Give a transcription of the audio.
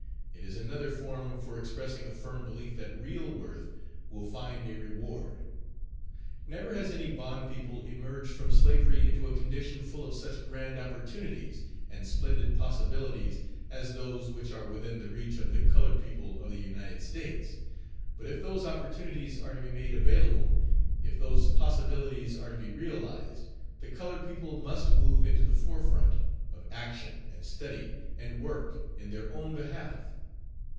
It is another form for expressing a firm belief that real worth will find a reward. Never has any bond people emerged from slavery into a condition full of such grand opportunities and splendid possibilities as those which are within the reach of the colored people of the United States; but if those opportunities are to be made available, if those possibilities are to be realized, the colored people must move into the fore front of action and study and work in their own behalf.